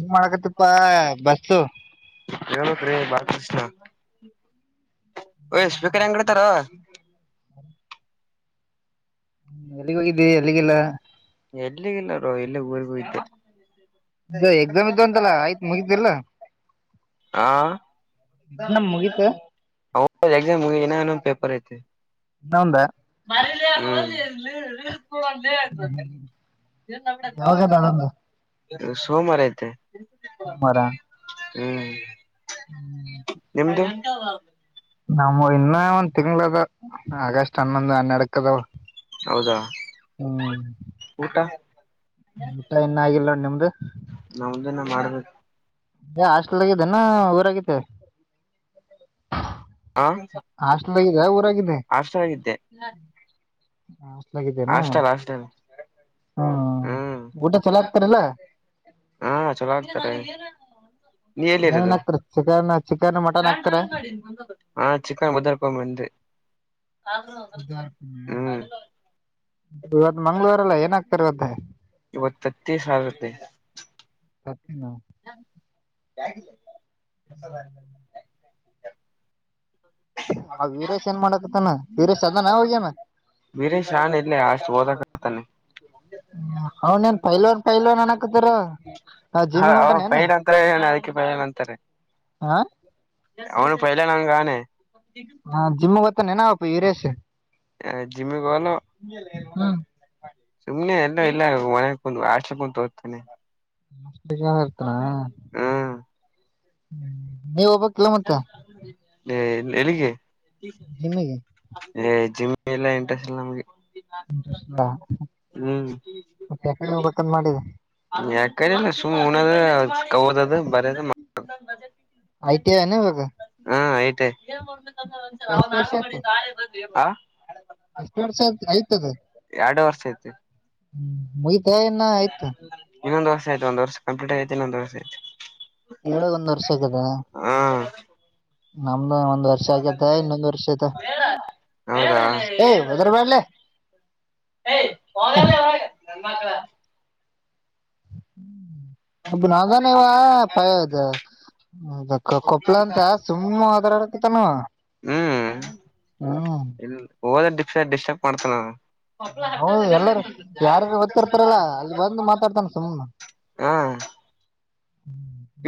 ಏನ್ ಮಾಡಕತ್ತಪ್ಪಾ ಬಸ್ಸು ಯನ ರ ಬ ಓಯ್ ಸ್ಪೀಕರ್ ಹೆಂಗ್ ಇಡತಾರೋ ಹ್ಮ ಎಲ್ಲಿಗೆ ಹೋಗಿದ್ದಿ ಎಲ್ಲಿಗಿಲ್ಲ. ಮೆಟ್ಲಿಇಲ್ಲ ರೋಹಿತ್ ಎಲ್ಲ ಇದು ಎಕ್ಸಾಮ್ ಇದ್ದು ಅಂತಲ್ಲ ಆಯ್ತ್ ಮುಗಿತಿಲ್ಲ [unintelligible] ಹ ಎಕ್ಸಾಮ್ ಮುಗೀತ ಅವಕ ಎಕ್ಸಾಮ್ ಮುಗನೊ ಇನ್ ಒನ್ ಪೇಪರ್ ಐತೆ ಇನ್ನೊಂದ ಮರಲ ಅಲ್ಲಿಕ ಯಾವಾಗದ ಅದೊಂದು [unintelligible] ಸೋ ಮಾರಾಯತೆ ಸೋಮಾರ ಹ್ಮ್ ಹ್ಮ್ ಹ [unintelligible] ನಮ್ಮ ಇನ್ನ ಒಂದ್ ತಿಂಗಳ ಅದ ಆಗಸ್ಟ್ ಹನ್ನೊಂದು ಹನ್ನಡಕ್ ಅದಾವ ಹೌದಾ ಹ್ಮ್ ಊಟ ಊಟ ಇನ್ನ ಆಗಿಲ್ಲ ನಿಮ್ದು ನಮ್ದುನ್ನ ಮಾಡ್ಬೇಕು ಹೇ ಹಾಸ್ಟೆಲ್ ಆಗಿದ್ದೇನೆ ಊರಗ ಇದ್ದೆ ಹ ಹಾಸ್ಟೆಲ್ ಆಗಿದ್ದೆ ಊರಾಗಿದ್ದೆ ಹಾಸ್ಟೆಲ್ಗಿದ್ದೆ ಹಾ ಹಾಸ್ಟೆಲ್ ಹಾಸ್ಟೆಲ್ ಹ್ಮ್ ಹ್ಮ ಊಟ ಚೊಲೋ ಹಾಕ್ತಾರಿಲ್ಲ ಹಾ ಚಲೋ ಆಗ್ತಾರೆ ನೀ ಏನನ್ ಎಲ್ಲಿರೋದು ಹಾಕ್ತರ ಚಿಕನ್ ಚಿಕನ್ ಮಟನ್ ಹಾಕ್ತರ [inaudible] ಹಾ ಚಿಕನ್ ಬದರ್ಕೊಂಡ್ ಬಂದೆ ಹ್ಮ್ ಇವತ್ತು ಮಂಗಳವಾರಲ್ಲ ಏನ ಹಾಕ್ತಾರಾ ಇವತ್ತು ಇವತ್ತ ತತ್ತಿ ಸಾರಾಯ್ತಿ. ಸತ್ತಿನ [unintelligible] ವೀರೇಶ್ ಏನ್ ಮಾಡಕತನ ವೀರೇಶ್ ಅದಾನ ಹೋಗ್ಯಾನ್ ವೀರೇಶ್ ಶಾನೆ ಇದ್ನ ಅಷ್ಟು ಓದಕತಾನೆ ಅವನೇನ್ ಪೈಲ್ವನ್ ಪೈಲ್ವನ್ ಅನಕತಾರ ಹ ಪೈಲ್ ಅಂತರ ಏನ ಅದಕ್ಕೆ ಪೈಲ್ ಅಂತಾರೆ ಹಾ ಅವನ ಪೈಲಾ ನಂಗಗಾನೆ ಹಾ ಜಿಮ್ಗ್ ಹೋತಾನೇನ ಅವನ್ ವೀರೇಶ್ ಜಿಮ್ಮಿಗೆ ಹೋಗಲ್ಲ ಸುಮ್ನೆ ಎಲ್ಲ ಇಲ್ಲ ಮನೆ ಕುಂತ ಹಾಸ್ಟೆಲ್ ಕುಂತ ಓದತಿನಿ ಅಷ್ಟ್ ಜನ ಇರ್ತನ. ಹ್ಮ್ ಹ್ಮ್ ನೀ ಹೋಬೇಕ್ಲೆ ಮತ್ತ. ಹೇ ಎಲ್ಲಿಗೆ. ಜಿಮ್ಮಿಗೆ. ಏ ಜಿಮ್ ಎಲ್ಲಾ ಇಂಟ್ರೆಸ್ಟ್ ಇಲ್ಲ ನಮ್ಗೆ. ಇಂಟ್ರೆಸ್ಟ್ ಇಲ್ಲ. ಹ್ಮ್. ಹೋಗ್ಬೇಕಂತ ಮಾಡಿದೆ ಯಾಕೆನಿಲ್ಲ ಸುಮ್ ಉಣದ ಓದದು ಬರಿಯದು ಮಕ್ ಐ ಟಿ ಐ ಏನ ಇವಾಗ ಹ್ಮ್ ಅಯ್ತೆ. ಹಾ ಎಷ್ಟ್ ಎಷ್ಟ ವರ್ಷ ಆತ್ ಆಯ್ತಾದ. ಎರಡು ವರ್ಷ ಐತಿ ಹ್ಮ್ ಇನ್ನೊಂದ್ ವರ್ಷ ಐತೆ ಒಂದ್ ವರ್ಷ ಕಂಪ್ಲೀಟ್ ಆಗೈತೆ ಇನ್ನೊಂದ್ ವರ್ಷ ಐತೆ. ಏಳಗ್ ಒಂದ್ ವರ್ಷ ಆಗದ ಒಂದ್ ಒಂದ್ ವರ್ಷ ಆಗ್ಯತೆ ಇನ್ನೊಂದ್ ವರ್ಷ ಆಯ್ತ. ಹೌದಾ ಏ ವದರ್ ಬ್ಯಾಡ್ ಲೇ. [unintelligible] ಒಬನಾದಾನೆ ಇವಾ ಪಯದೆ. ಅದಕ್ಕ ಕೊಪ್ಳ ಅಂತ ಸುಮ್ಮ್ ಅದ್ರಡಕತಾನವ ಹ್ಮ್. ಎಲ್ ಹೋದ್ರೆ ಡಿಸ್ಟ್ ಡಿಸ್ಟರ್ಬ್ ಮಾಡ್ತನವ. ನಾವು ಎಲ್ಲಾರ ಯಾರಾರು ಬತ್ತಿರ್ತಾರಲ್ಲಾ ಅಲ್ಲಿ ಬಂದು ಮಾತಾಡ್ತಾನ ಸುಮ್ನ. ಹ್ಮ್.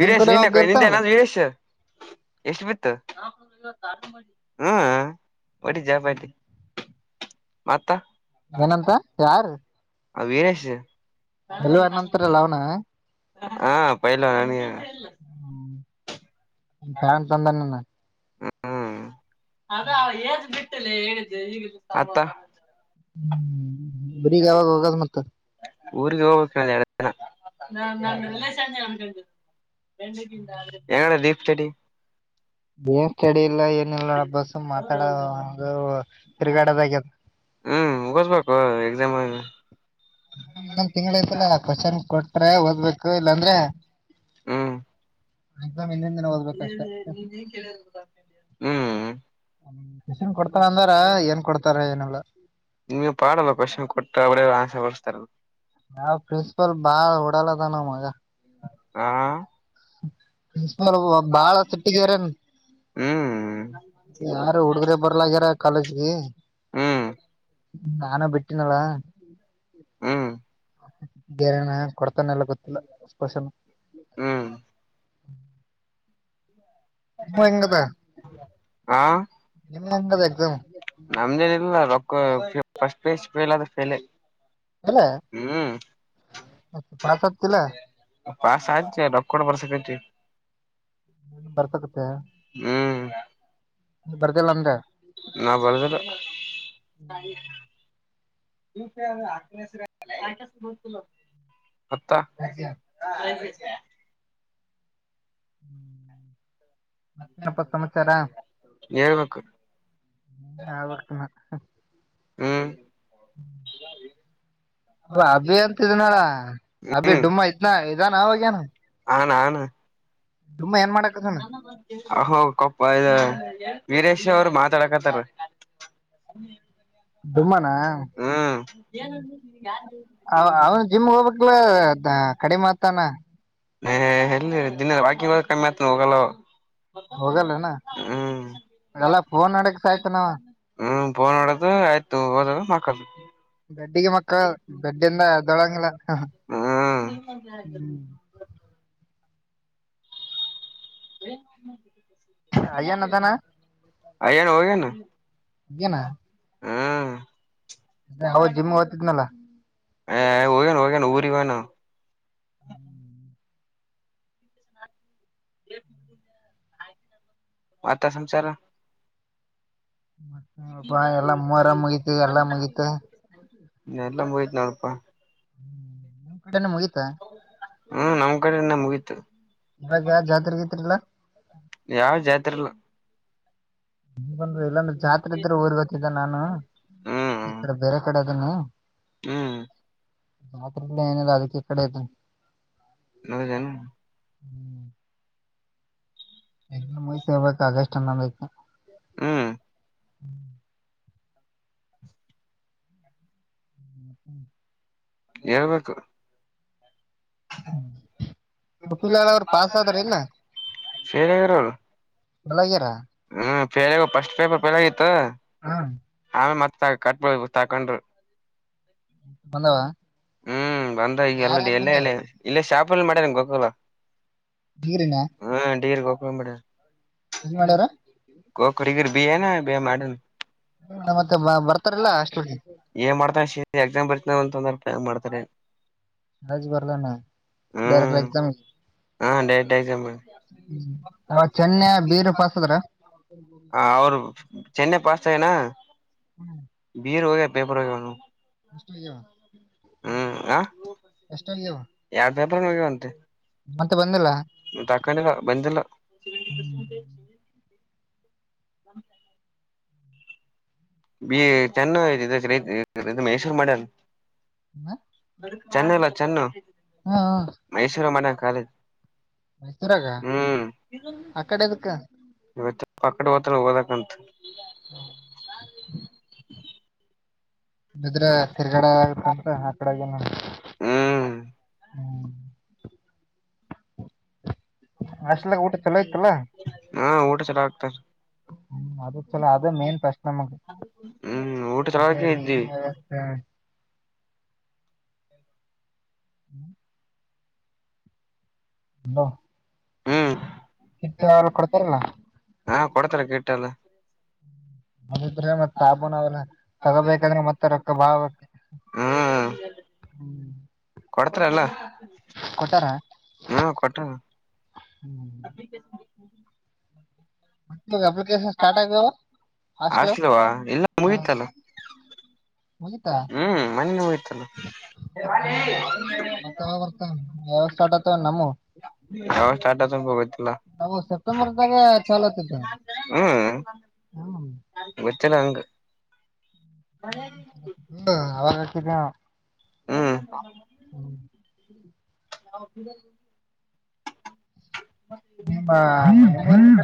ನಿಮ್ ಕಡೆ ನಿಂದೆ ಒಬ್ಬ ಕೈ ನಿಂದೆ ಇರ್ತಾನಲ್ಲ ನಾ [unintelligible] ಎಷ್ಟ್ ಬಿತ್ತ ಹ್ಮ್ ಒಟ್ಟ್ ಜಾಬೈತೆ ಮತ್ತ. ಏನಂತ ಯಾರ್. ಆ ವಿರೇಶ್. ಪೈಲ್ವಾನಂತರಲ್ಲ ಅವನ. ಹಾ ಪೈಲ್ವಾನ್ ಅವ್ನಿಗೆನೆ. ಥ್ಯಾಂಕ್ಸ್ ಅಂದಾನನ. ಹ್ಮ್ ಅದ ಏಜ್ ಬಿಟ್ಟ ಲೇ ಹೇಳಿದ್ದು [unintelligible] ಮತ್ತ ಹ್ಮ್ ಬಿಡಿಗ್ ಯಾವಾಗ ಹೋಗದು ಮತ್ತ. ಊರಿಗ್ ಯಾವಾಗ್ ಹೋಗ್ತಾ ಇದಿಯಾ ಎರಡ್ ದಿನ [unintelligible] ಎನದು ಡೀಪ್ ಸ್ಟಡಿ. ಏನ್ ಸ್ಟಡಿ ಇಲ್ಲ ಏನಿಲ್ಲ ಅಬ್ಬಾ ಸುಮ್ ಮಾತಾಡ ತಿರುಗಾಡದಾಗ್ಯದ್. ಹ್ಮ್ ಮುಗಿಸ್ಬೇಕು ಎಕ್ಸಾಮು ಇದೆ. ಇನ್ನೊಂದ್ ತಿಂಗ್ಳ್ ಅಯ್ತಲ್ಲ ಕೊಷನ್ ಕೊಟ್ಟ್ ಟ್ರೇ ಓದ್ಬೇಕು ಇಲ್ಲಾಂದ್ರೆ ಹ್ಮ್ ಎಕ್ಸಾಮ್ ಹಿಂದಿನ್ ದಿನ ಓದ್ಬೇಕಷ್ಟೆ ಹ್ಮ್ ಹ್ಮ್. ಕೊಷನ್ ಕೊಡ್ತನಿ ಅಂದರ ಏನ್ ಕೊಡ್ತಾರ ಏನಲ್ಲ. ನಿಮಗೆನ ಪಾಡಲ್ಲ ಕ್ವಶನ್ ಕೊಟ್ಟ ಅವರೆ ಆನ್ಸರ್ ಬರಸ್ತಾರಲ್. ಯಾವ್ ಪ್ರಿನ್ಸಿಪಲ್ ಬಾಳ್ ಉಡಾಲದನವ ಮಗ. ಹಾ. ಪ್ರಿನ್ಸಿಪಲ್ ಬಾಳ ಸಿಟ್ಟಿಗೆರನ್. ಹ್ಮ್ ಯಾರು ಹುಡುಗರೆ ಬರ್ಲಾಗ್ಯಾರ ಕಾಲೇಜ್ಗೆ. ಹ್ಮ್ ನಾನು ಬಿಟ್ಟಿನಲ್ಲ. ಹ್ಮ್ ಬೇರೆನ ಕೊಡ್ತಾನ ಇಲ್ಲ ಗೊತ್ತಿಲ್ಲ ಕೊಷನು. ಹ್ಮ್. ನಿಮ್ ಹೆಂಗದ ಹಾ. ನಿಮ್ ಹೆಂಗದ ಎಕ್ಸಾಮ್ ನಮ್ದೇನಲ್ಲ ರೊಕ್ಕ first P U C fail ಆದ್ರ್ ಫೇಲೇ. ಅಲ್ಲ ಪಾಸ್ ಅದ್ ರೊಕ್ಕ [unintelligible] ಬರ್ತಕತ್ತ ನೀ ಬರ್ದಿಲ್ಲ ಅಂದೇ ನಾವ್ ಬರ್ದಿಲ್ಲ [unintelligible] ಮತ ಏನಪ್ಪಾ ಸಮಾಚಾರ ಹೇಳಬೇಕು ನೀನೇ ಹೇಳಬೇಕು ಹ್ಮ್ ಹ್ಮ್ ಅಭಿ ಡುಮ್ಮ ಇದ್ನ ಇದಾನ ಅವಾಗೇನ ಹಾ ನಾನ್ ಡುಮ್ಮ ಏನ್ ಮಾಡಕತ್ತಾನ ಕೊಪ್ಪ ಇದು ವೀರೇಶ ಅವ್ರು ಮಾತಾಡಕಾತರ ಡುಮ್ಮನ ಅವನು ಜಿಮ್ ಹೋಗ್ಬೇಕಕ್ಲ ಕಡಿಮೆಮತನ ಹ ಎಲ್ಲಿ ದಿನ ವಾಕಿಂಗ್ ಹೋಗ್ತಾನ ಮತ್ ಹೋಗಲ್ಲ ಅವ. ಹೋಗನೇನ ಹ್ಮ್ ಎಲ್ಲಾ ಫೋನ್ ಮಾಡಕ್ ಸೈತನಾವ ಹ್ಮ ಫೋನ್ ನೋಡದು ಆಯ್ತು ಹದ ಮಕ್ಕದು ಬೆಡ್ಡಿಗೆ ಮಕ್ಕ ಬೆಡ್ಡಿಂದ ಎದ್ದೋಲಾಗಿಲ್ಲ ಹ್ಮ್ ಅಯ್ಯನ ಅದಾನ [unintelligible] ಅಯ್ಯನ್ ಹೋಗೇನು ಯಾವೋ ಜಿಮ್ ಹೊತ್ತಿದ್ನಲ್ಲ ಹ ಹೋಗೇನು ಹೋಗೇನು ಊರಿಗೆ ಹೋಗೇನು [unintelligible] ಮತ್ತೆ ಸಮಾಚಾರ ಮತ್ತಪಾ ಎಲ್ಲಾ ಮೊರಾ ಮುಗಿತ್ತು ಎಲ್ಲ ಮುಗಿತು ಎಲ್ಲಾ ಮುಗಿತು ನೋಡಪ್ಪ ಕಡೆನೆ ಮುಗೀತ ಹ್ಮ್ ನಮ್ ಕಡೆನು ಮುಗಿತು ಈವಾಗ ಜಾತ್ರೆಗಿತ್ರಿ ಇಲ್ಲ ಯಾವ ಜಾತ್ರೆಲ್ಲ ನೀ ಬಂದ ಇಲ್ಲೊಂದು ಜಾತ್ರೆಇದ್ರೆ ಊರಿಗೆ ಹೋಯ್ತಿದ್ದೆ ನಾನು ಈ ಹ್ಮ್ ಕಡೆ ಬೇರೆ ಕಡೆ ಅದಿನಿ ಹ್ಮ್ ಜಾತ್ರಿ ಇಲ್ಲ ಏನಿಲ್ಲ ಅದಕ್ಕೆ ಈಕಡೆ ಇದೀನಿ ಹೌದೇನು ಹ್ಮ್ ಎಕ್ಸಾಮ್ ಮುಗಿತವ ಆಗಸ್ಟ್ ಹ್ಮ್ ಹ್ಮ ಹ್ ಹೇಳ್ಬೇಕು [unintelligible] ಪಾಸ್ ಆದ್ರೇನು ಫೇಲ್ ಆಗಾರ ಆಗ್ಯಾರ ಅವ್ರುಹ್ಮ್ ಫಸ್ಟ್ ಪೇಪರ್ ಫೇಲ್ ಆಗಿತ್ತು ಹಾ ಆ ಮತ್ತ ಕಟ್ ತಕೊಂಡರು ಬಂದವ ಹ್ಮ್ ಬಂದ ಈಗ ಎಲ್ಲ ಯಾರ್ಯಾರು ಎಲ್ಲ ಬಂದಾರ ಎಲ್ಲ ಇಲ್ಲೇ ಶಾಪಲ್ಲಿ ಮಾಡ್ಯನಾ ಗೊತ್ತಲ್ಲ ಡಿಗ್ರಿನ ಹಾ ಅಂಗಾಡಿ ಓಪನ್ ಮಾಡ್ಯಾರ ಎಲ್ಲಿ ಮಾಡ್ಯಾರ [unintelligible] ಮಾಡ್ಯಾನ ಮತ್ತೆ ಬರ್ತಾರಲ್ಲ ಹಾಸ್ಟೆಲಿಗೆ ಮಾಡ್ತಾನ ಸಿ [unintelligible] ಏನ್ ಮಾಡ್ತಾರೆ ಏನೋ ರಾಜು ಬರ್ಲಾನ ಡೈರೆಕ್ಟರ್ ಹ್ಮ್ ಆಗ್ತಾತ ಹಾ ಡೈರೆಕ್ಟ್ ಎಕ್ಸಾಮ್ ಅವ ಚೆನ್ನೆ ಬೀರು ಪಸ್ದ್ರ ಹ ಅವ್ರು ಚೆನ್ನೈ ಪಸ್ತಾವನಾ ಹ್ಮ್ ವಿರುೋಗ ಪೇಪರ್ೋಗ ಒನು [inaudible] ಹ್ಮ್ ಆ ಎಷ್ಟಾಗ್ಯಾವ ಯಾವ ಪೇಪರ್ ಹೋಗ್ಯವಂತ ಮತ್ತೆ ಬಂದಿಲ್ಲ ತಾಕೊಂಡಿಲ್ಲ ಬಂದಿಲ್ಲ [inaudible] [inaudible] ಬಿ ಚೆನ್ನ ರಿಜಿಗ್ನೇಷನ್ ಹ್ಮ್ ಚೆನ್ನಲ್ಲ ಚೆನ್ನು ಹ್ಮ್ ಮೈಸೂರು ಮನ ಕಾಲೇಜ್ ಮೈಸೂರಾಗ ಹ್ಮ್ ಆ ಕಡೆದಕ್ಕ ಪಕ್ಡು ಒತ್ತಡ ಓದಕ ಅಂತ [unintelligible] [inaudible] ನಿದ್ರ ತಿರ್ಗಡಂತ ಆ ಕಡೆಏ ಹ್ಮ್ ಅಷ್ಟಲ್ಲ ಊಟ ಚಲೋ ಇಯತಲ್ಲ ಹಾ ಊಟ ಚಲೋ ಆಗ್ತಾರ ಹ್ಮ ಅ ಚಲ ಅದೇ ಮೇನ್ ಫಸ್ಟ್ ನಮಗ ಹ್ಮ್ ಊಟ ಹ ಚಲೋಕ ಇದ್ದಿ ನೀರಿ ವ್ಯವಸ್ಥೆ [inaudible] ಅಲ್ಲ ಹ್ಮ್ ಚಿಟ್ಟ ಕೊಡ್ತಾರಲ್ಲ ಹಾ ಕೊಡ್ತಾರ ಕಿಟ್ ಎಲ್ಲ ನೀದ್ರೆ ಮತ್ತತ್ ಸಾಬೂನಲ್ಲ ತಗೋಬೇಕಾದ್ರೆ ಮತ್ತೆ ರೊಕ್ಕ ಬಾ ಬ ಹ್ಮ ಕೊಡ್ತರ ಕೊಟ್ಟಾರ ಹ್ಮ ಕಟ್ಟರ [inaudible] ಅಪ್ಲಿಕೇಶನ್ ಸ್ಟಾರ್ಟ್ ಆಗಾವ ಹಾಸ್ಟ್ ಲ ಆಸ್ಲವಾ ಇಲ್ಲ ಹ ಮುಗತಲ್ಲ ಮುಗಿತಾ ಹ್ಮ್ ಮನ್ನೆ ಹೋಯ್ತಲ್ಲ ಮತ್ತೆ ಯಾವಾಗ ಬರ್ತ ಯಾವಾಗ ಸ್ಟಾರ್ಟ್ ಆತವ ನಮ್ಮ ಯಾವಷ್ಟಟಾಸ ಗೋಗತಿಲ್ಲ ನಾವು ಸೆಪ್ಟೆಂಬರ್ದಾಗೆ ಚಲತ್ತಿದ್ದ ಹ್ಮ ಚಲಂಗ ಅವಾಗಿದ್ದ ಹ್ಮ್ [inaudible] [inaudible] ಹಾ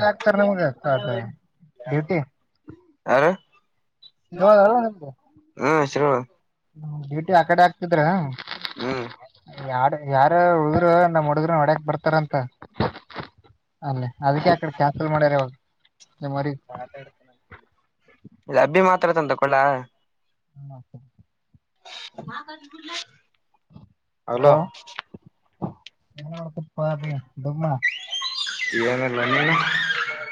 ಆಗ್ತಾರೆ ನಮಗ ಅದು ಡ್ಯೂಟಿ ಜೋಳಲ್ಲ ನಿಮ್ದು ಹ್ಮ ಡ್ಯೂಟಿ ಆಕಡೆ ಆಗ್ತಿದ್ರ ಹ್ಮ್ ಯಾರ ಉಳಿದ್ರರು ನಮ್ಮಡಿದ್ರ ವಡ್ಯಕ್ ಬರ್ತಾರಂತ ಅಲ್ಲ ಅದಕ್ಕೆ ಆಕಡೆ ಕ್ಯಾನ್ಸಲ್ ಮಾಡ್ಯಾರ ನಿಮ್ಮ ಊರಿಗಿ ಇ ಅಬ್ಬಿ ಮಾತಾಡ್ತಾ ಹತ [inaudible] ಹಲ ಮಾಡಪ್ಪ ಅ ದುಮ್ಮ [inaudible]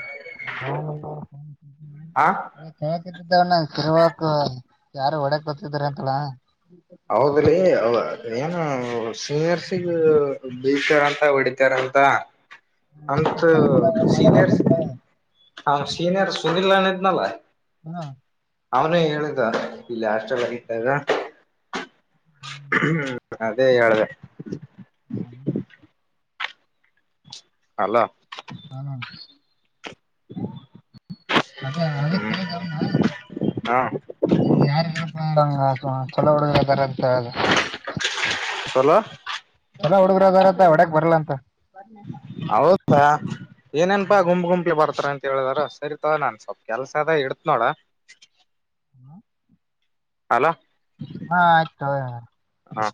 ಆ ತರಬೇಕು ಯಾರು ಒಓಡಕ್ ಗರ್ತಿದಿದ್ದಾರೆ ಅಂತಳ ಹೌದ್ರೀ ಏನು ಸೀನಿಯರ್ಸಿಗ ಬೀತಾರ ಅಂತ ಹೊಡಿತಾರ ಅಂತ ಅಂತ ಕೆಲಸ ಸೀನಿಯರ್ ಮಾಡ್ಯಾರಂತ ಕೇಳಿ ಸೀನಿಯರ್ [inaudible] ಇದ್ನಲ್ಲ ಹಾ ಅವನೆ ಹೇಳುದ ಇಲ್ಲಿ ಹಾಸ್ಟೆಲ್ ಅಲ್ಲಿ ಇದಗ ಹ್ಮ ಅದೇ ಹೇಳಿದೆ [unintelligible] ಹೆಲೋ ಹಾ [unintelligible] [unintelligible] ಹ್ಮ್ [inaudible] ಹ ಯಾರಲ್ಲಬಡ್ದರ [inaudible] ಚಲ ಎಲ್ಲ ಹುಡುಗರುದಾರತ್ತ ಒಡಕ್ ಬರ್ಲ್ಲ ಅಂತ ಹೌದಾ ಏನೇನ್ಪಾ ಗುಂಪು ಗುಂಪಿ ಬರ್ತ ತ್ರ ಅಂತ ಹೇಳಿದಾರ ಸರಿತ ನಾನ್ ಸ್ವಲ್ಪ ಕೆಲ್ಸ ಅದ ಇಡತ್ ನೋಡ [unintelligible] ಹೆಲೋ ಹಾ ಆಯ್ತ ಹಾ